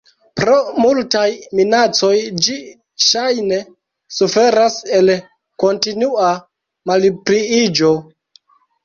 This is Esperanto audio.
Pro multaj minacoj ĝi ŝajne suferas el kontinua malpliiĝo.